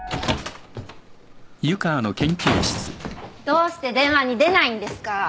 どうして電話に出ないんですか？